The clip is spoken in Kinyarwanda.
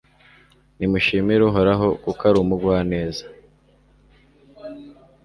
nimushimire uhoraho, kuko ari umugwaneza